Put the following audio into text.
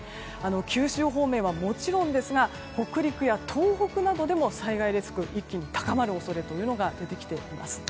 九州方面はもちろんですが北陸、東北などでも災害リスクが一気に高まる恐れが出てきています。